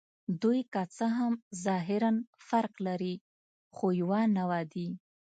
دوی که څه هم ظاهراً فرق لري، خو یوه نوعه دي.